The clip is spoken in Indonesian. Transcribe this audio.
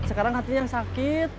sekarang hatinya sakit